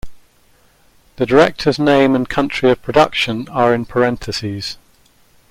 The director's name and country of production are in parentheses.